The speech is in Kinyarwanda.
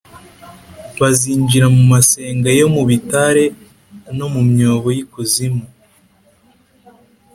Bazinjira mu masenga yo mu bitare no mu myobo y’ikuzimu,